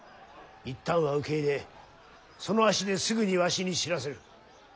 一旦は受け入れその足ですぐにわしに知らせる。